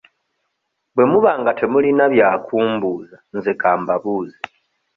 Bwe muba nga temulina bya kumbuuza nze ka mbabuuze.